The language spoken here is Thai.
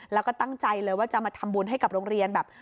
แล้วก็ตั้งใจเลยว่าจะมาทำบุญให้กับโรงเรียนแบบ